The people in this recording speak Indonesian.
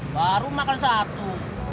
baru makan satu